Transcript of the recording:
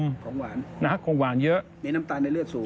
ของหวานนะฮะของหวานเยอะในน้ำตาลในเลือดสูง